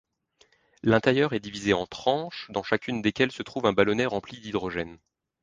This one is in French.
L'intérieur est divisé en tranches dans chacune desquelles se trouve un ballonnet rempli d'hydrogène.